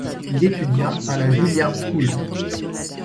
Il étudia à la Juilliard School.